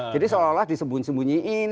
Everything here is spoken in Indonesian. jadi seolah olah disembunyi sembunyiin